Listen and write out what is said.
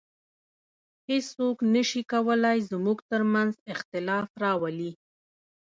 هیڅوک نسي کولای زموږ تر منځ اختلاف راولي